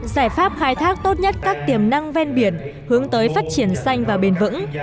giải pháp khai thác tốt nhất các tiềm năng ven biển hướng tới phát triển xanh và bền vững